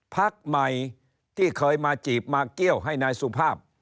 พักใหม่ที่เคยมาจีบมาเกี้ยวให้นายสุภาพ